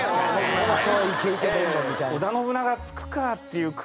相当イケイケというかみたいな。